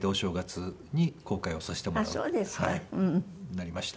なりました。